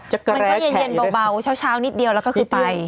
มันก็เย็นเบาเช้านิดเดียวแล้วก็คือไป